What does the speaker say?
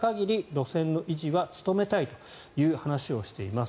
路線の維持に努めたいとしています。